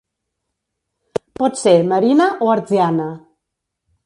Pot ser marina o hertziana.